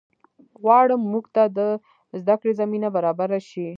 غواړم مونږ ته د زده کړې زمینه برابره شي